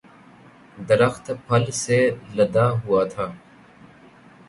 درخت پھل سے لدا ہوا تھا